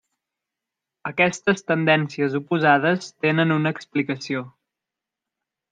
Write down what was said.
Aquestes tendències oposades tenen una explicació.